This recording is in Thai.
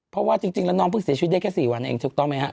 เพราะว่าจริงแล้วน้องเพิ่งเสียชีวิตได้แค่๔วันเองถูกต้องไหมฮะ